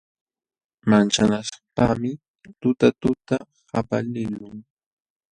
Manchanaśhpaqmi tutatuta qapaliqlun.